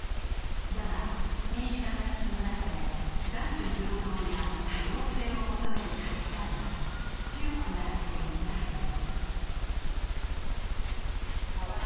だが、民主化が進む中で男女平等や多様性を求める価値観が強くなっていったという。